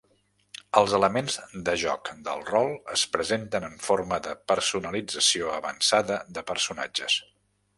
Els elements de joc del rol es presenten en forma de personalització avançada de personatges.